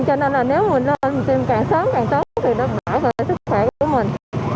cho nên là nếu mình lên tiêm càng sớm càng tốt thì nó bảo vệ sức khỏe của mình